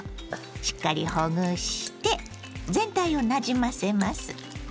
しっかりほぐして全体をなじませます。